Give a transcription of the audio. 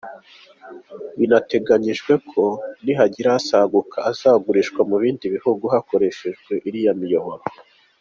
Binateganyijwe ko nihagira asaguka azagurishwa mu bindi bihugu hakoreshejwe iriya miyoboro.